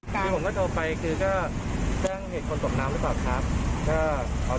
ที่ผมก็โทรไปคือก็แจ้งเห็นคนตกน้ำแล้วต่อครับ